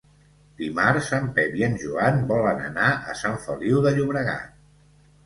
Dimarts en Pep i en Joan volen anar a Sant Feliu de Llobregat.